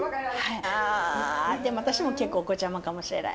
あでも私も結構お子ちゃまかもしれない。